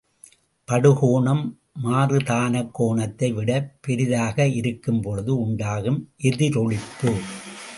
படுகோணம் மாறுதானக்கோணத்தை விடப் பெரிதாக இருக்கும் பொழுது உண்டாகும் எதிரொளிப்பு.